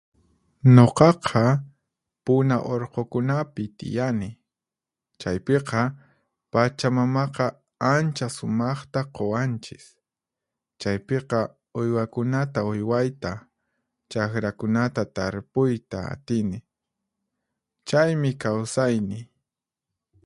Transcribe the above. Nuqaqa Puna urqukunapi tiyani, chaypiqa pachamamaqa ancha sumaqta quwanchis. Chaypiqa uywakunata uywayta, chaqrakunata tarpuyta atini. Chaymi kawsayniy.